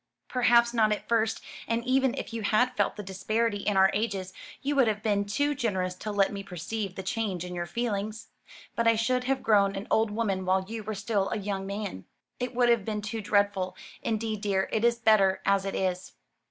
"Perhaps not at first; and even if you had felt the disparity in our ages you would have been too generous to let me perceive the change in your feelings. But I should have grown an old woman while you were still a young man. It would have been too dreadful. Indeed, dear, it is better as it is.